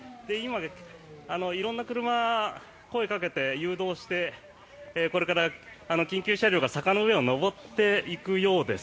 色んな車に声をかけて、誘導してこれから緊急車両が坂の上を上っていくようです。